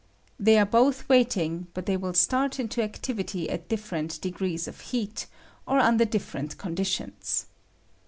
They are both waiting, but they will start into activity at different de grees of heat, or under different eonditiona.